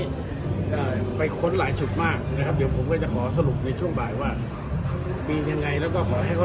ครบนี้ไปค้นหลายจุดมากจะสรุปเรื่องงานมาก่อน